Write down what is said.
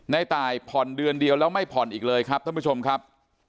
ในตายผ่อนเดือนเดียวแล้วไม่ผ่อนอีกเลยครับท่านผู้ชมครับ